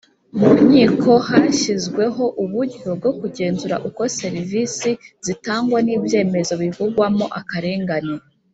Mu nkiko, hashyizweho uburyo bwo kugenzura uko serivisi zitangwa n'ibyemezo bivugwamo akarengane.